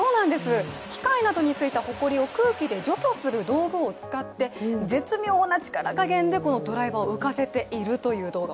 機械などについてほこりを空気で除去する道具を使って絶妙な力加減でこのドライバーを浮かせているという動画。